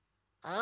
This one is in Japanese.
あ。